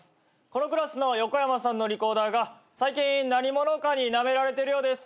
このクラスのヨコヤマさんのリコーダーが最近何者かになめられてるようです。